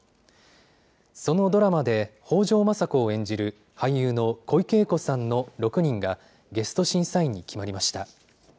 そのドラマで北条政子を演じる俳優の小池栄子さんの６人が、ゲスト審査員に決まりました。